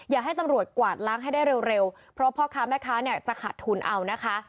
อยากให้ตำรวจกวาดล้างให้ได้เร็วเพราะพ่อค้าแม่ค้าเนี่ยจะขาดทุนเอานะคะ